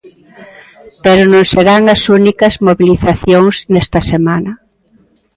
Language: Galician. Pero non serán as únicas mobilizacións nesta semana.